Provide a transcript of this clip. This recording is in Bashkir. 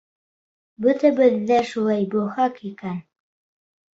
Бөтәбеҙ ҙә шулай булһаҡ икән!